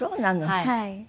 はい。